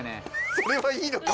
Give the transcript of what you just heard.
それはいいのか？